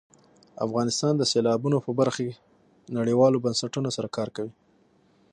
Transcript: افغانستان د سیلابونو په برخه کې نړیوالو بنسټونو سره کار کوي.